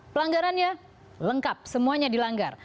pelanggarannya lengkap semuanya dilanggar